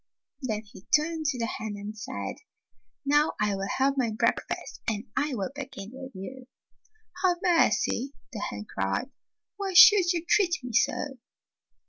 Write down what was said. Then he turned to the hen and said, " Now I will have my breakfast, and I will begin with you.'" ''Have mercy!" the hen cried. "Why should you treat me so?"